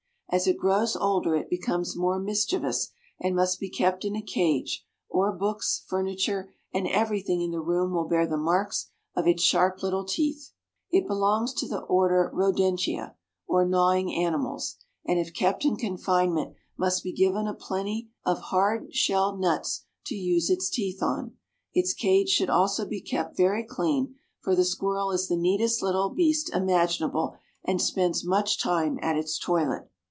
As it grows older it becomes more mischievous, and must be kept in a cage, or books, furniture, and everything in the room will bear the marks of its sharp little teeth. It belongs to the order Rodentia, or gnawing animals, and if kept in confinement, must be given a plenty of hard shelled nuts to use its teeth on. Its cage should also be kept very clean, for the squirrel is the neatest little beast imaginable, and spends much time at its toilet.